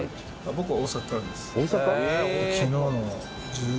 僕は大阪からです。